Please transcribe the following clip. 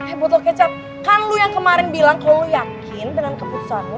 eh botol kecap kan lo yang kemarin bilang kalo lo yakin dengan keputusan lo